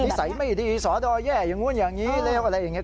นิสัยไม่ดีสอดอแย่อย่างนู้นอย่างนี้แล้วอะไรอย่างนี้